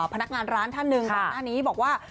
พนักงานร้านท่านหนึ่งต่างนี้บอกว่า